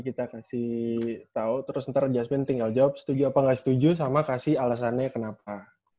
kita kasih tau terus nanti adjustment tinggal jawab setuju apa nggak setuju sama kasih alasannya kenapa